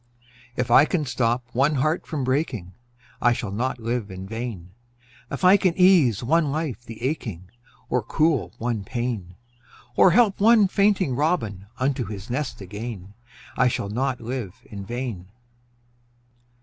If I can stop one heart from breaking, I shall not live in vain; If I can ease one life the aching, Or cool one pain, Or help one fainting robin Unto his nest again, I shall not live in vain.